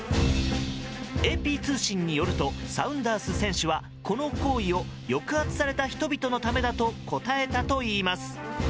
ＡＰ通信によるとサウンダース選手はこの行為を抑圧された人々のためだと答えたといいます。